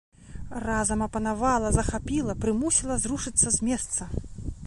Разам апанавала, захапіла, прымусіла зрушыцца з месца.